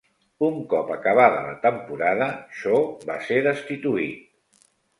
Un cop acabada la temporada, Shaw va ser destituït.